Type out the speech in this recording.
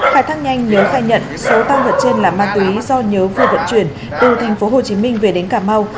khải thác nhanh nhớ khai nhận số tang vật trên là ma túy do nhớ vừa vận chuyển từ tp hồ chí minh về đến cà mau